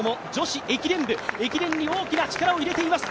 駅伝に大きな力を入れています。